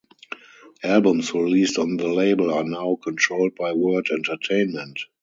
Albums released on the label are now controlled by Word Entertainment.